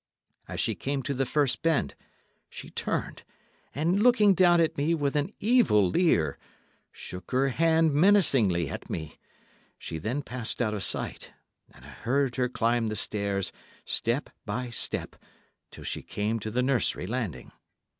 As she came to the first bend, she turned, and looking down at me with an evil leer, shook her hand menacingly at me. She then passed out of sight, and I heard her climb the stairs, step by step, till she came to the nursery landing.